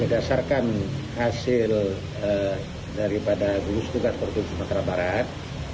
berdasarkan hasil daripada gugus tugas provinsi sumatera barat